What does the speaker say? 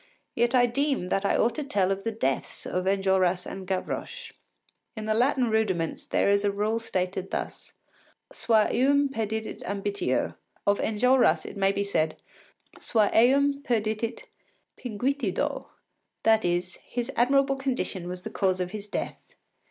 Yet I deem that I ought to tell of the deaths of Enjolras and Gavroche. In the Latin Rudiments there is a rule stated thus: Sua eum perdidit ambitio. Of Enjolras it may be said: Sua eum perdidit pinguitudo, that is, his admirable condition was the cause of his death.